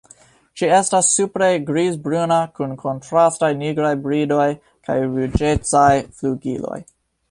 Ĝi estas supre grizbruna kun kontrastaj nigraj bridoj kaj ruĝecaj flugiloj.